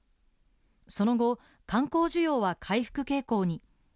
その後、観光需要は回復傾向に。